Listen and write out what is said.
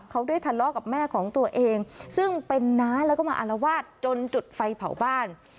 เขาได้ทะเลาะกับแม่ของตัวเองซึ่งเป็นน้าแล้วก็มาอารวาสจนจุดไฟเผาบ้าน